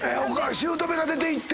姑が出ていって。